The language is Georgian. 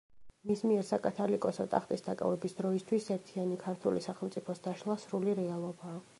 მის მიერ საკათოლიკოსო ტახტის დაკავების დროისთვის ერთიანი ქართული სახელმწიფოს დაშლა სრული რეალობაა.